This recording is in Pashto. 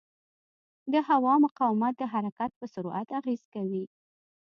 د هوا مقاومت د حرکت پر سرعت اغېز کوي.